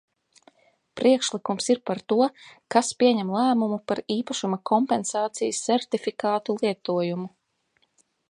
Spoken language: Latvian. Priekšlikums ir par to, kas pieņem lēmumu par īpašuma kompensācijas sertifikātu lietojumu.